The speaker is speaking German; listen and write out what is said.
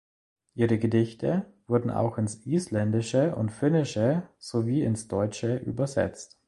Ihre Gedichte wurden auch ins Isländische und Finnische sowie ins Deutsche übersetzt.